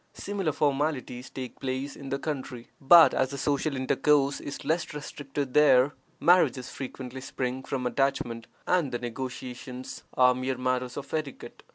Similar formalities take place in the country, but, as the social intercourse is less restricted there, marriages frequently spring from attachment, and the negotiations are mere matters of etiquette.